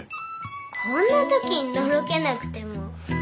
こんな時にのろけなくても。